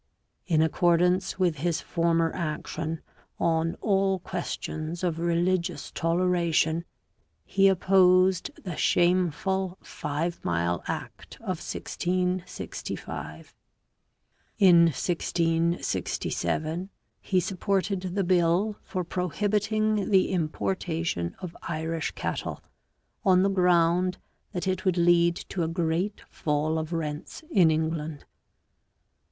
In accordance with his former action on all questions of religious toleration he opposed the shameful Five Mile Act of 1665. In 1667 he supported the bill for prohibiting the importation of Irish cattle, on the ground that it would lead to a great fall of rents in England.